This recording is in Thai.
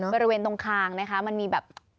บริเวณตรงคางนะคะมันมีแบบ